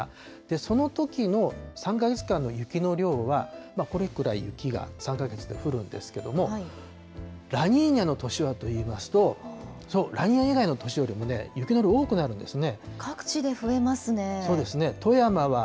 そのときの３か月間の雪の量は、これくらい雪が３か月で降るんですけれども、ラニーニャの年はといいますと、ラニーニャ以外の年よりも雪の量多くなるんですね。